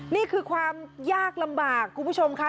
นี่คือความยากลำบากคุณผู้ชมค่ะ